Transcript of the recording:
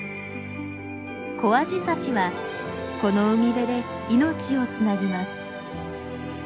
コアジサシはこの海辺で命をつなぎます。